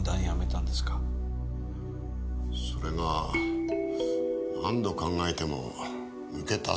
それが何度考えても「抜けた」